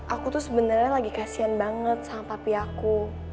aku tuh sebenarnya lagi kasihan banget sama papi aku